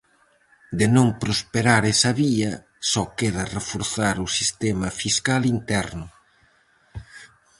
De non prosperar esa vía, só queda reforzar o sistema fiscal interno.